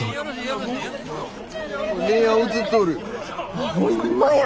あっホンマや！